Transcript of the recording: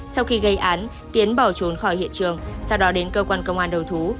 sau khi gây án tiến bỏ trốn khỏi hiện trường sau đó đến cơ quan công an đầu thú